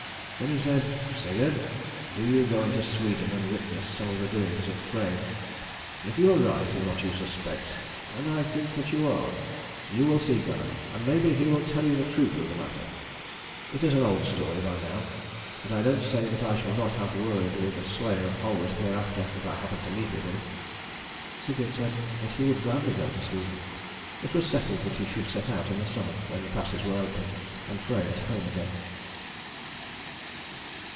Then he said, "Sigurd, do you go into Sweden and witness some of the doings of Frey. If you are right in what you suspect and I think that you are you will see Gunnar, and maybe he will tell you the truth of the matter. It is an old story by now, but I don't say that I shall not have a word with the slayer of Halward hereafter if I happen to meet with him." Sigurd said that he would gladly go to Sweden. It was settled that he should set out in the summer when the passes were open and Frey at home again.